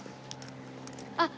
あっ！